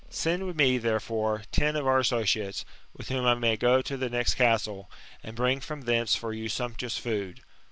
Send with noe, therefore, ten of our associates, with whom I may go to the next castle, and bring from thence for you sumptuous food.